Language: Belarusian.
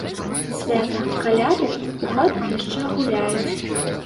Свята, каляды, у хатах яшчэ гуляюць.